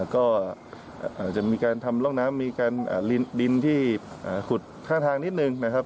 ก็อาจจะมีการทำร่องน้ำมีการดินที่ขุดข้างทางนิดนึงนะครับ